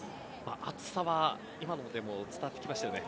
暑さは今のでも伝わってきましたよね。